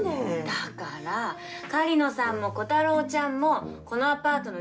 だから狩野さんもコタローちゃんもこのアパートの住人なの。